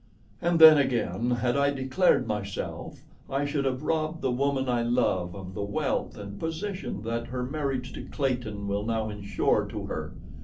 "And then again, had I declared myself I should have robbed the woman I love of the wealth and position that her marriage to Clayton will now insure to her.